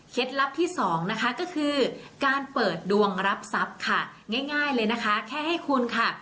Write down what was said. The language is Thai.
ลับที่สองนะคะก็คือการเปิดดวงรับทรัพย์ค่ะง่ายเลยนะคะแค่ให้คุณค่ะ